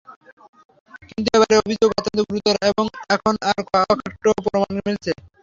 কিন্তু এবারের অভিযোগ অত্যন্ত গুরুতর এবং এখন তার অকাট্য প্রমাণ মিলছে।